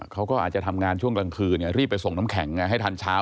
เขาก็อาจจะทำงานช่วงกลางคืนรีบไปส่งน้ำแข็งไงให้ทันเช้า